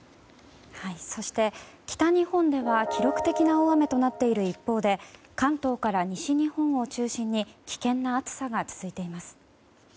そして北日本では記録的な大雨となっている一方で関東から西日本を中心に危険な暑さが続いています。